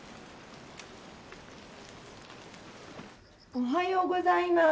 おはようございます。